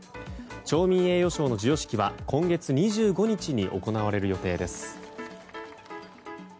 町民栄誉賞の授賞式は今月２５日に行われる予定です。